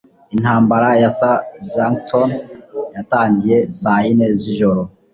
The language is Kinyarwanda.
intambara ya san jacinto yatangiye saa yine zijoro